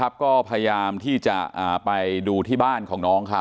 ที่โพสต์ก็คือเพื่อต้องการจะเตือนเพื่อนผู้หญิงในเฟซบุ๊คเท่านั้นค่ะ